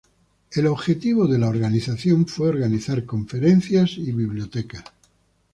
El objetivo de la organización fue organizar conferencias y bibliotecas.